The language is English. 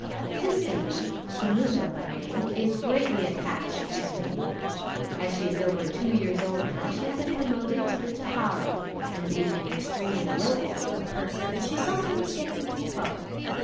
This baby, Sununda by name, is greatly attached to Suhinie. As she is over two years old now, she has been promoted to the Taraha, and being an extremely wilful little person, she sometimes gets into trouble.